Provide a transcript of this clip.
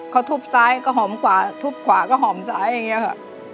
เขาทุบซ้ายก็หอมกว่าทุบขวาก็หอมซ้ายอย่างนี้ค่ะ